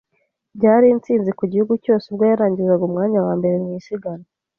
Byari intsinzi ku gihugu cyose ubwo yarangizaga umwanya wa mbere mu isiganwa.